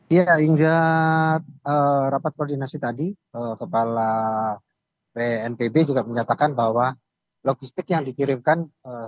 ya hingga rapat koordinasi tadi kepala bnpb juga menyatakan bahwa logistik yang dikirimkan